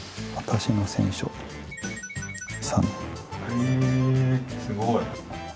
へえ、すごい。